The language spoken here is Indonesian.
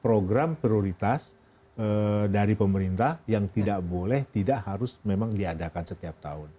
program prioritas dari pemerintah yang tidak boleh tidak harus memang diadakan setiap tahun